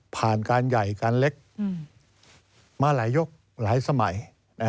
ผ่านการใหญ่การเล็กมาหลายยกหลายสมัย